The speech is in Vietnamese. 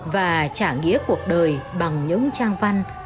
và trả nghĩa cuộc đời bằng những trang văn